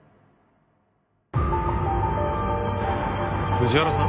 藤原さん？